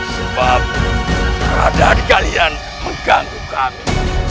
sebab keadaan kalian mengganggu kami